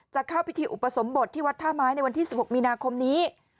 จะเข้าพิธีอุปสมบทที่วัดท่าไม้ในวันที่๑๖มีนาคมนี้